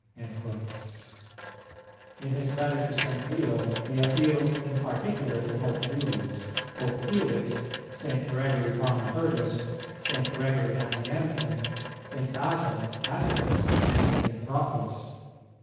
'"[301:2] In his letter to St. Leo, he appeals in particular to Pope Julius, Pope Felix, St. Gregory Thaumaturgus, St. Gregory Nazianzen, St. Basil, Atticus, and St. Proclus.